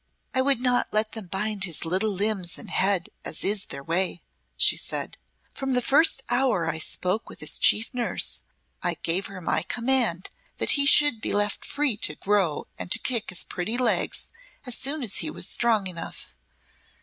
"I would not let them bind his little limbs and head as is their way," she said. "From the first hour I spoke with his chief nurse, I gave her my command that he should be left free to grow and to kick his pretty legs as soon as he was strong enough.